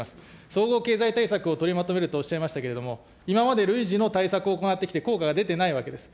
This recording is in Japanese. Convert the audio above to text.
総合経済対策を取りまとめるとおっしゃいましたけれども、今まで累次の対策を行ってきて効果が出てないわけです。